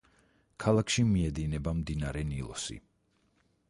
ქალაქში მიედინება მდინარე ნილოსი.